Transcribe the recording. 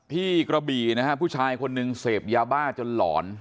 กระบี่นะฮะผู้ชายคนหนึ่งเสพยาบ้าจนหลอน